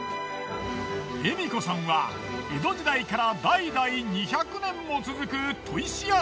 笑子さんは江戸時代から代々２００年も続く砥石屋さん。